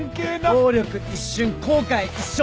暴力一瞬後悔一生！